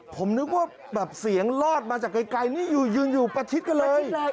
ผมนึกว่าแบบเสียงลอดมาจากไกลนี่อยู่ยืนอยู่ประชิดกันเลย